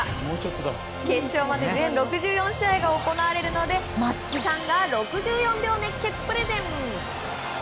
決勝まで全６４試合が行われるので松木さんが６４秒熱血プレゼン！